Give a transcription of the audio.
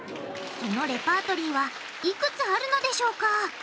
そのレパートリーはいくつあるのでしょうか？